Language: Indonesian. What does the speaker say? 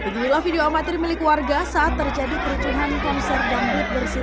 kejadian video amatir milik warga saat terjadi kerucuhan konser gambit bersih